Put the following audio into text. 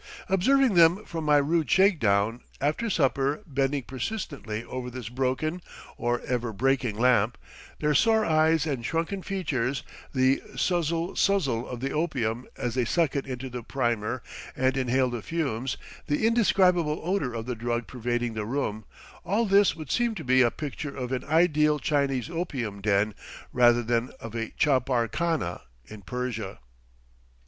Observing them from my rude shake down, after supper, bending persistently over this broken, or ever breaking lamp, their sore eyes and shrunken features, the suzzle suzzle of the opium as they suck it into the primer and inhale the fumes the indescribable odor of the drug pervading the room all this would seem to be a picture of an ideal Chinese opium den rather than of a chapar khana in Persia.